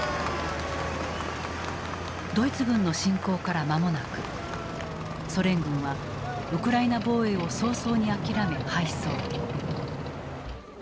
ドイツ軍の侵攻からまもなくソ連軍はウクライナ防衛を早々に諦め敗走。